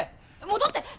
戻って！